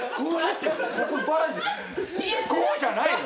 こうじゃないの？